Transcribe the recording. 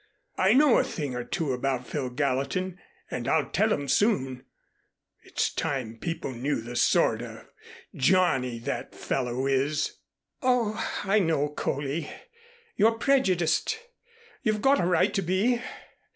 I know a thing or two about Phil Gallatin and I'll tell 'em soon. It's time people knew the sort of a Johnny that fellow is." "Oh, I know, Coley. You're prejudiced. You've got a right to be.